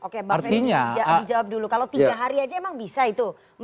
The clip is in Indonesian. kalau tiga hari aja emang bisa itu